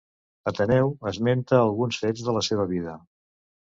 Ateneu esmenta alguns fets de la seva vida.